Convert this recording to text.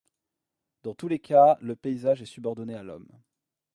Dans tous les cas, le paysage est subordonné à l'homme.